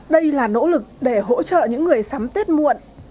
đây là nỗ lực để hỗ trợ những người sắm tết muộn